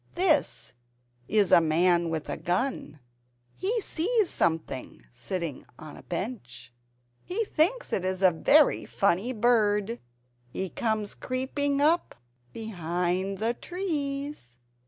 This is a man with a gun. He sees something sitting on a bench. He thinks it is a very funny bird! He comes creeping up behind the trees.